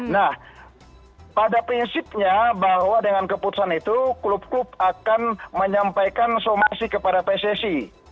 nah pada prinsipnya bahwa dengan keputusan itu klub klub akan menyampaikan somasi kepada pssi